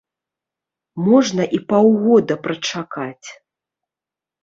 Можна і паўгода прачакаць!